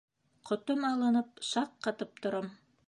Ҡотом алынып, шаҡ ҡатып торам.